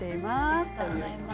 ありがとうございます。